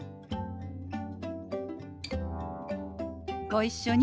ご一緒に。